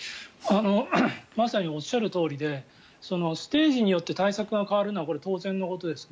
まさにおっしゃるとおりでステージによって対策が変わるのはこれは当然のことですよね。